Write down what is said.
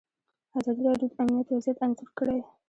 ازادي راډیو د امنیت وضعیت انځور کړی.